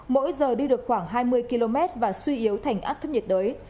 mỗi giờ đi được khoảng hai mươi km và suy yếu thành áp thấp nhiệt đới